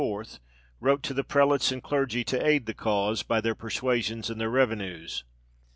wrote to the prelates and clergy to aid the cause by their persuasions and their revenues.